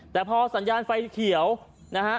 แต่พอสัญญาณไฟเขียวนะฮะ